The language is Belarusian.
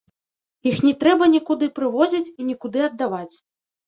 Іх не трэба нікуды прывозіць і нікуды аддаваць.